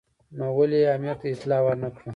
نو ولې یې امیر ته اطلاع ور نه کړه.